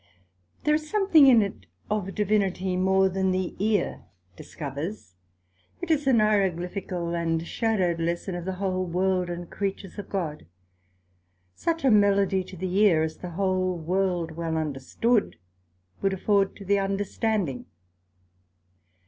There is something in it of Divinity more than the ear discovers: it is an Hieroglyphical and shadowed lesson of the whole World, and creatures of God; such a melody to the ear, as the whole World well understood, would afford the understanding.